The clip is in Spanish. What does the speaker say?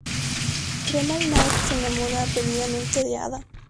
Tremal-Naik se enamora perdidamente de Ada.